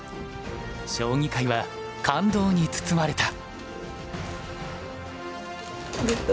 将棋界は感動に包まれた。